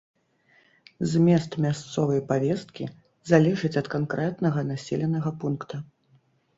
Змест мясцовай павесткі залежыць ад канкрэтнага населенага пункта.